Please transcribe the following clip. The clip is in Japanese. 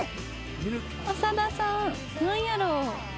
長田さん何やろう？